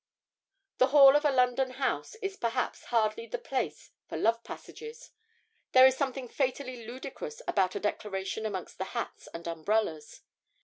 The hall of a London house is perhaps hardly the place for love passages there is something fatally ludicrous about a declaration amongst the hats and umbrellas.